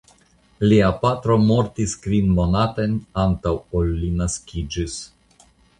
Lia patro mortis kvin monatojn antaŭ ol li naskiĝis.